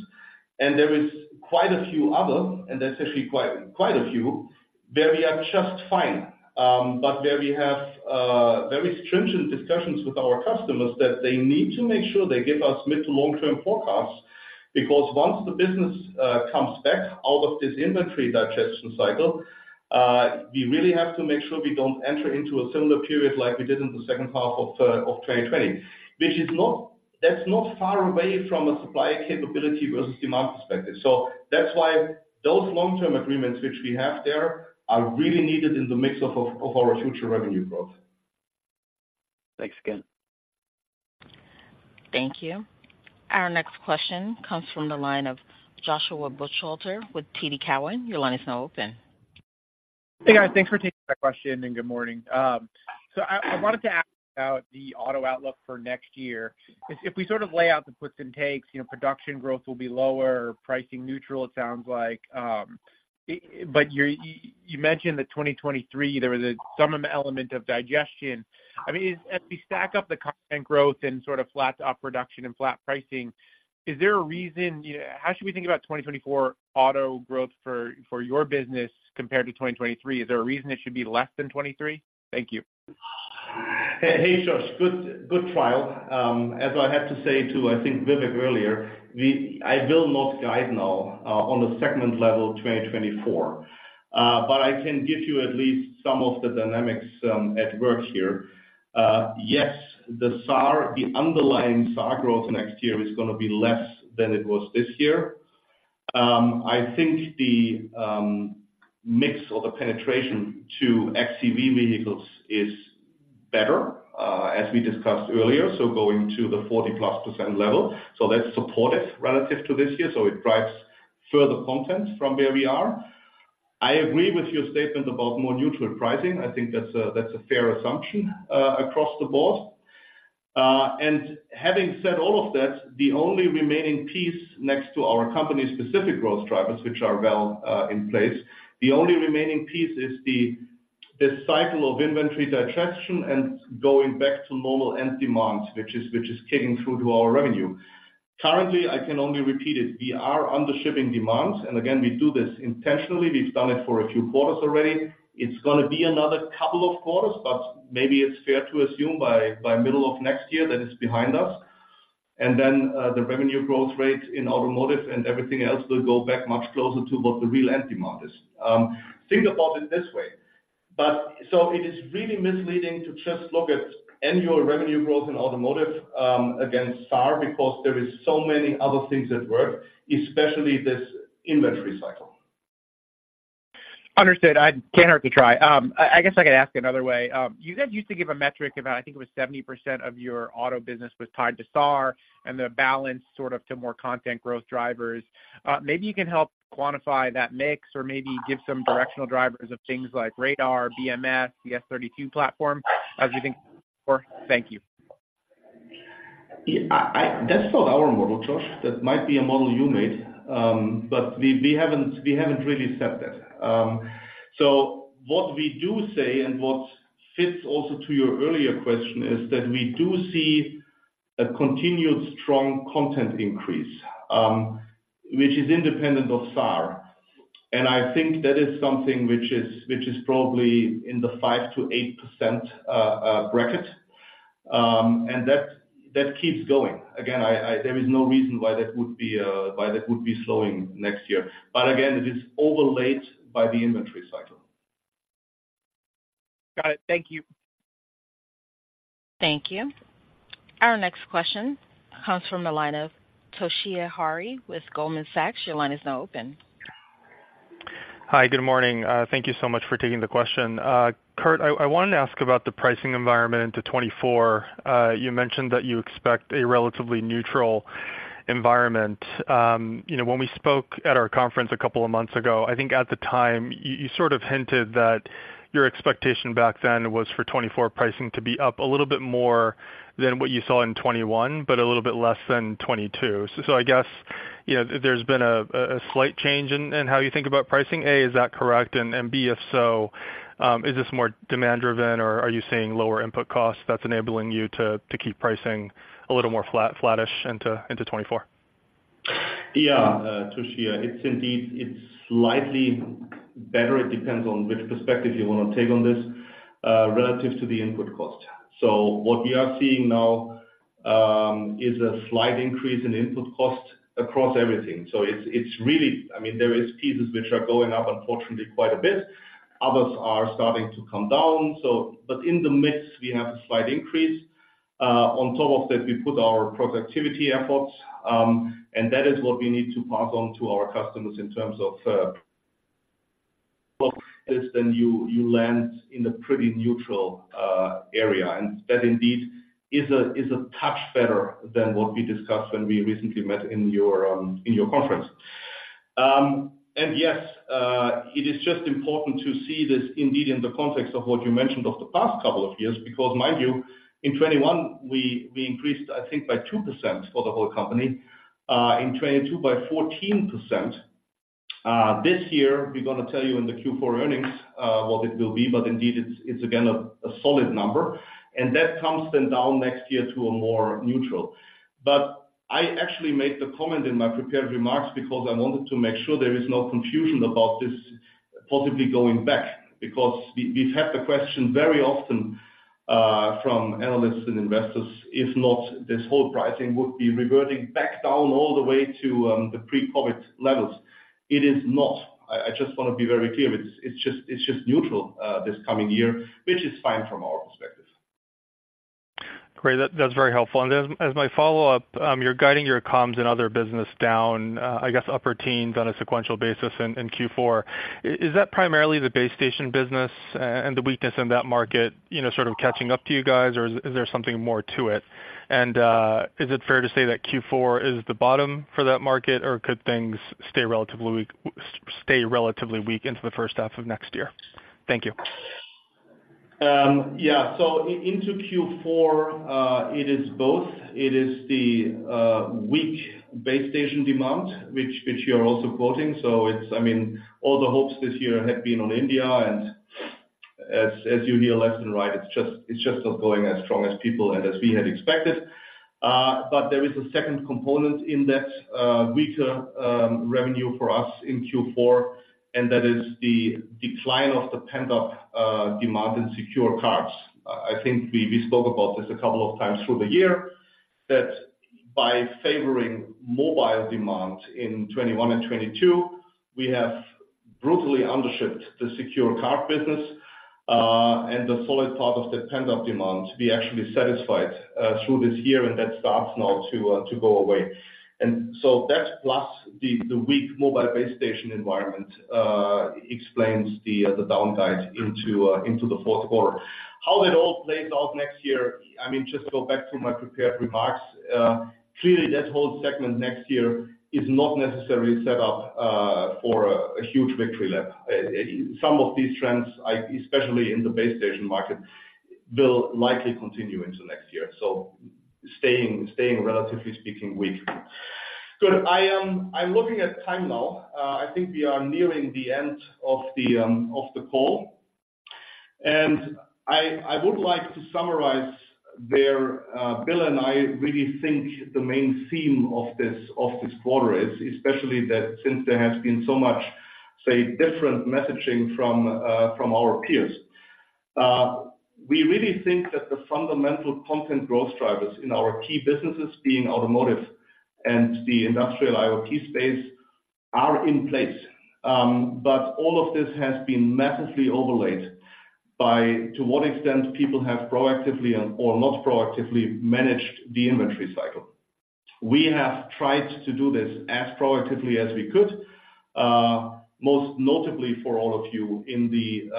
There is quite a few other, and there's actually quite, quite a few, where we are just fine, but where we have very stringent discussions with our customers that they need to make sure they give us mid to long-term forecasts, because once the business comes back out of this inventory digestion cycle, we really have to make sure we don't enter into a similar period like we did in the second half of 2020. Which is not, that's not far away from a supply capability versus demand perspective. So that's why those long-term agreements, which we have there, are really needed in the mix of our future revenue growth. Thanks again. Thank you. Our next question comes from the line of Joshua Buchalter with TD Cowen. Your line is now open. Hey, guys, thanks for taking my question, and good morning. So I wanted to ask about the auto outlook for next year. If we sort of lay out the puts and takes, you know, production growth will be lower, pricing neutral, it sounds like, but you mentioned that 2023, there was some element of digestion. I mean, as we stack up the content growth and sort of flat to up production and flat pricing, is there a reason... How should we think about 2024 auto growth for your business compared to 2023? Is there a reason it should be less than 2023? Thank you. Hey, Josh. Good, good trial. As I had to say to, I think, Vivek earlier, I will not guide now on the segment level 2024. But I can give you at least some of the dynamics at work here. Yes, the SAAR, the underlying SAAR growth next year is gonna be less than it was this year. I think the mix or the penetration to xEV vehicles is better, as we discussed earlier, so going to the 40+% level. So that's supportive relative to this year, so it drives further content from where we are. I agree with your statement about more neutral pricing. I think that's a, that's a fair assumption across the board. And having said all of that, the only remaining piece next to our company's specific growth drivers, which are well in place, the only remaining piece is the cycle of inventory digestion and going back to normal end demand, which is kicking through to our revenue. Currently, I can only repeat it, we are undershipping demands, and again, we do this intentionally. We've done it for a few quarters already. It's gonna be another couple of quarters, but maybe it's fair to assume by middle of next year, that is behind us. And then, the revenue growth rate in Automotive and everything else will go back much closer to what the real end demand is. Think about it this way, but so it is really misleading to just look at annual revenue growth in Automotive against SAAR because there is so many other things at work, especially this inventory cycle. Understood. I can't hurt to try. I guess I could ask another way. You guys used to give a metric about, I think it was 70% of your auto business was tied to SAAR and the balance sort of to more content growth drivers. Maybe you can help quantify that mix or maybe give some directional drivers of things like radar, BMS, the S32 platform, as you think? Thank you. Yeah. That's not our model, Josh. That might be a model you made, but we haven't really set that. So what we do say, and what fits also to your earlier question, is that we do see a continued strong content increase, which is independent of SAAR. And I think that is something which is probably in the 5%-8% bracket, and that keeps going. Again, there is no reason why that would be slowing next year. But again, it is overlaid by the inventory cycle. Got it. Thank you. Thank you. Our next question comes from the line of Toshiya Hari with Goldman Sachs. Your line is now open. Hi, good morning. Thank you so much for taking the question. Kurt, I wanted to ask about the pricing environment into 2024. You mentioned that you expect a relatively neutral environment. You know, when we spoke at our conference a couple of months ago, I think at the time, you sort of hinted that your expectation back then was for 2024 pricing to be up a little bit more than what you saw in 2021, but a little bit less than 2022. So I guess, you know, there's been a slight change in how you think about pricing. A, is that correct? And B, if so, is this more demand-driven, or are you seeing lower input costs that's enabling you to keep pricing a little more flat, flattish into 2024? Yeah, Toshiya, it's indeed. It's slightly better. It depends on which perspective you want to take on this, relative to the input cost. So what we are seeing now is a slight increase in input cost across everything. So it's, it's really—I mean, there is pieces which are going up, unfortunately, quite a bit. Others are starting to come down, so, but in the mix, we have a slight increase. On top of that, we put our productivity efforts, and that is what we need to pass on to our customers in terms of... then you land in a pretty neutral area, and that indeed is a touch better than what we discussed when we recently met in your conference. And yes, it is just important to see this indeed in the context of what you mentioned of the past couple of years, because mind you, in 2021, we increased, I think, by 2% for the whole company, in 2022 by 14%. This year, we're gonna tell you in the Q4 earnings what it will be, but indeed, it's again a solid number, and that comes then down next year to a more neutral. But I actually made the comment in my prepared remarks because I wanted to make sure there is no confusion about this possibly going back, because we've had the question very often from analysts and investors if not this whole pricing would be reverting back down all the way to the pre-COVID levels. It is not. I just wanna be very clear, it's just neutral this coming year, which is fine from our perspective. Great, that's very helpful. And as my follow-up, you're guiding your comms and other business down, I guess, upper teens on a sequential basis in Q4. Is that primarily the base station business and the weakness in that market, you know, sort of catching up to you guys, or is there something more to it? And, is it fair to say that Q4 is the bottom for that market, or could things stay relatively weak, stay relatively weak into the first half of next year? Thank you. Yeah. So into Q4, it is both. It is the weak base station demand, which you're also quoting. So it's, I mean, all the hopes this year have been on India, and as you hear left and right, it's just, it's just not going as strong as people and as we had expected. But there is a second component in that, weaker revenue for us in Q4, and that is the decline of the pent-up demand in secure cards. I think we spoke about this a couple of times through the year, that by favoring Mobile demand in 2021 and 2022, we have brutally undershipped the secure card business, and the solid part of the pent-up demand to be actually satisfied through this year, and that starts now to go away. And so that plus the weak mobile base station environment explains the downside into the fourth quarter. How that all plays out next year, I mean, just to go back to my prepared remarks, clearly, that whole segment next year is not necessarily set up for a huge victory lap. Some of these trends, especially in the base station market, will likely continue into next year, so staying, relatively speaking, weak. Good. I'm looking at time now. I think we are nearing the end of the call. And I would like to summarize where Bill and I really think the main theme of this quarter is, especially that since there has been so much, say, different messaging from our peers. We really think that the fundamental content growth drivers in our key businesses, being Automotive and the Industrial IoT space, are in place. But all of this has been massively overlaid by to what extent people have proactively or, or not proactively managed the inventory cycle. We have tried to do this as proactively as we could, most notably for all of you in the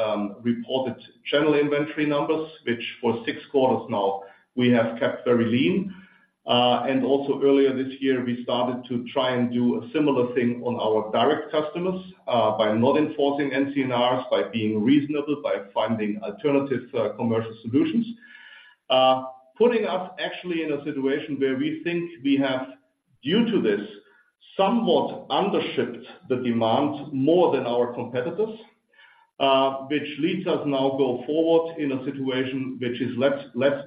reported general inventory numbers, which for six quarters now, we have kept very lean. And also earlier this year, we started to try and do a similar thing on our direct customers, by not enforcing NCNRs, by being reasonable, by finding alternative commercial solutions. Putting us actually in a situation where we think we have, due to this, somewhat undershipped the demand more than our competitors, which leads us now go forward in a situation which is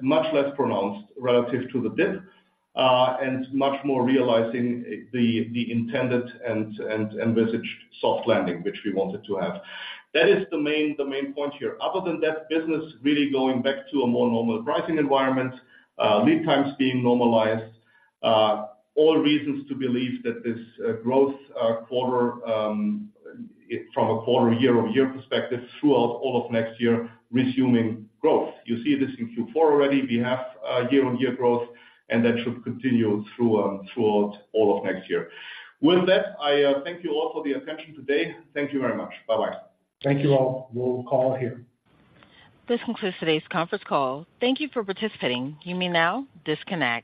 much less pronounced relative to the dip, and much more realizing the intended message soft landing, which we wanted to have. That is the main point here. Other than that, business really going back to a more normal pricing environment, lead times being normalized, all reasons to believe that this growth quarter from a quarter year-on-year perspective, throughout all of next year, resuming growth. You see this in Q4 already. We have year-on-year growth, and that should continue throughout all of next year. With that, I thank you all for the attention today. Thank you very much. Bye-bye. Thank you, all. We'll call here. This concludes today's conference call. Thank you for participating. You may now disconnect.